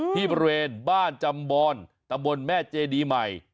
บริเวณบ้านจำบอนตำบลแม่เจดีใหม่